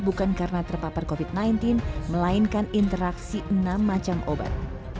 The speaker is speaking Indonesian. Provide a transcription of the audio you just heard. bukan karena terpapar covid sembilan belas melainkan interaksi enam macam obat